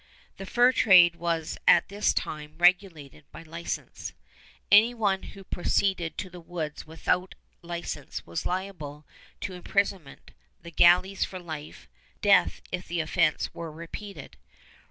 The fur trade was at this time regulated by license. Any one who proceeded to the woods without license was liable to imprisonment, the galleys for life, death if the offense were repeated.